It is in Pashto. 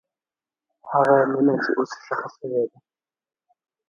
هغه مینه چې وه، اوس ښخ شوې ده.